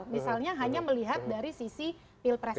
misalnya hanya melihat dari sisi pilpres saja